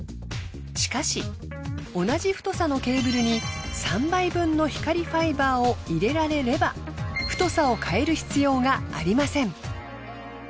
しかし同じ太さのケーブルに３倍分の光ファイバーを入れられれば太さを変える必要がありません。